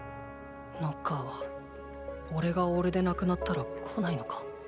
ノッカーはおれがおれでなくなったら来ないのか。